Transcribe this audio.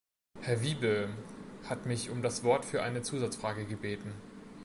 Herr Wibe hat mich um das Wort für eine Zusatzfrage gebeten.